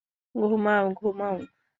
ঘুমাও, ঘুমাও।